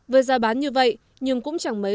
về giá bán như vậy nhưng cũng chẳng mấy